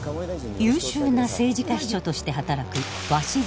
優秀な政治家秘書として働く鷲津亨。